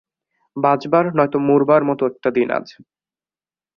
বাঁচবার নয়তো মরবার মতো একটা দিন আজ।